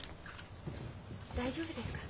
大丈夫ですか？